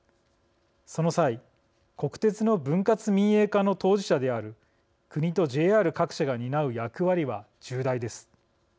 その際国鉄の分割民営化の当事者である国とＪＲ各社が担う役割は重大です。